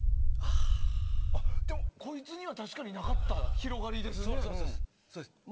こいつには確かになかった広がりですね。